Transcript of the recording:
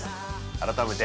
改めて